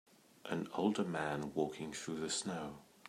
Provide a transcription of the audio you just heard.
An older man walking through the snow.